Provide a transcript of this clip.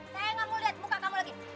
saya nggak mau lihat muka kamu lagi